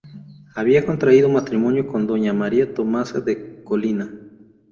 Había contraído matrimonio con doña María Tomasa de la Colina.